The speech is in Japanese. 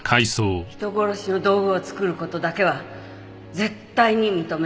人殺しの道具を作る事だけは絶対に認めない。